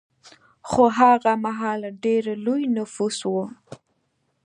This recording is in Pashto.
خو هغه مهال ډېر لوی نفوس و